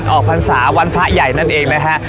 วันออกพรรษาวันพระใหญ่นั่นเองนะครับ